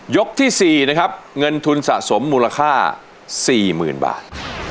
ที่๔นะครับเงินทุนสะสมมูลค่า๔๐๐๐บาท